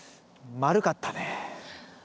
丸かった？